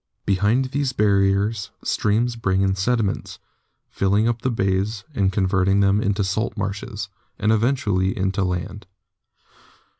Behind these barriers streams bring in sediments, filling up the bays and converting them into salt marshes, and eventually into land.